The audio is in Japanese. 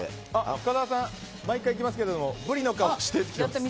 深澤さん、毎回聞きますけどブリの顔してください。